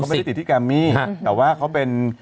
ไม่ได้ติดที่แกมมี่แต่ว่าเขาเป็น